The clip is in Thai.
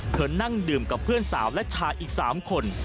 นั่งดื่มกับเพื่อนสาวและชายอีก๓คน